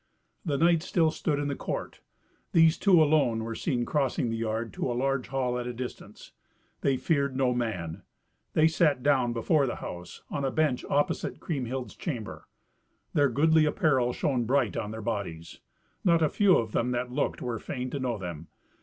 The knights still stood in the court. These two alone were seen crossing the yard to a large hall at a distance. They feared no man. They sat down before the house, on a bench opposite Kriemhild's chamber. Their goodly apparel shone bright on their bodies. Not a few of them that looked were fain to know them.